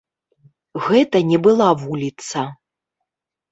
Гэта не была вуліца.